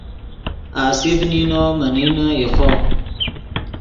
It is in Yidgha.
آصف نینو من نینے ایخو